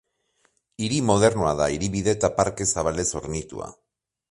Hiri modernoa da, hiribide eta parke zabalez hornitua.